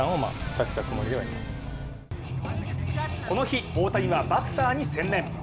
この日、大谷はバッターに専念。